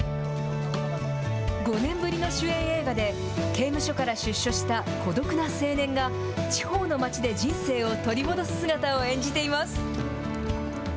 ５年ぶりの主演映画で、刑務所から出所した孤独な青年が地方の町で人生を取り戻す姿を演じています。